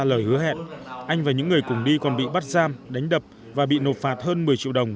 lời hứa hẹn anh và những người cùng đi còn bị bắt giam đánh đập và bị nộp phạt hơn một mươi triệu đồng